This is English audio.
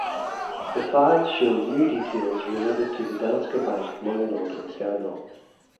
The files showed new details related to the Danske Bank money laundering scandal.